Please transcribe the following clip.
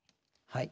はい。